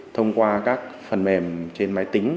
thông qua các phần mềm trên máy tính